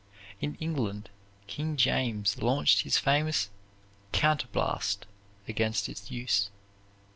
In England King James launched his famous "Counterblaste" against its use.